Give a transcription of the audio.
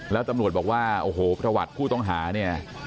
แล้วตำรวจบอกว่าโอ้โหประวัติผู้ต้องหาเนี่ย